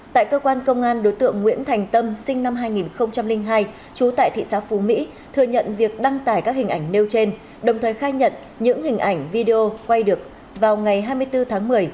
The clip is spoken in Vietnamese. tại cơ quan công an đối tượng nguyễn thành tâm sinh năm hai nghìn hai trú tại thị xã phú mỹ thừa nhận việc đăng tải các hình ảnh nêu trên đồng thời khai nhận những hình ảnh video quay được vào ngày hai mươi bốn tháng một mươi